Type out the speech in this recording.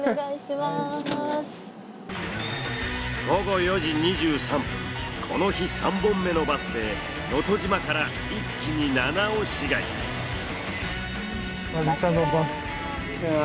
午後４時２３分この日３本目のバスで能登島から一気に七尾市街へ。